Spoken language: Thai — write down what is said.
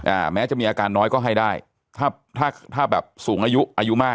อ่าแม้จะมีอาการน้อยก็ให้ได้ถ้าถ้าแบบสูงอายุอายุมาก